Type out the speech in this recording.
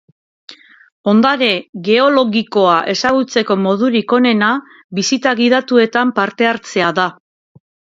Ondare geologikoa ezagutzeko modurik onena bisita gidatuetan parte hartzea da.